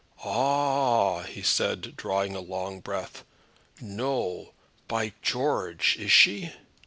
"Ah!" he said, drawing a long breath, "no; by George, is she?"